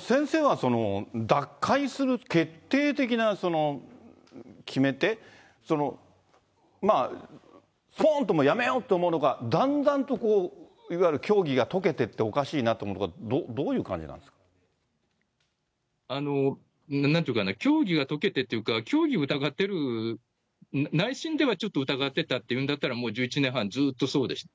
先生は、脱会する決定的な決めて、ぽーんとやめようって思うのか、だんだんとこう、いわゆる教義がとけていって、おかしいなと思うのか、どういう感じなんですか？なんていうかな、教義がとけてっていうか、教義を疑ってる、内心ではちょっと疑ってたっていうんだったら、１１年半、ずっとそうです。